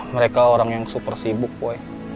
mereka orang yang super sibuk